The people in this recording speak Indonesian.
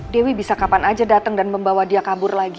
dewi bisa kapan aja datang dan membawa dia kabur lagi